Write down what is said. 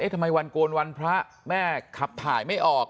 ทำไมวันโกนวันพระแม่ขับถ่ายไม่ออก